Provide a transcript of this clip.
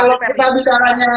kalau kita bicaranya